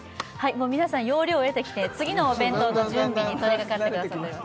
皆さん要領を得てきて次のお弁当の準備にとりかかってくださっています